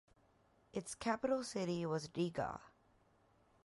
Its capital city was Riga.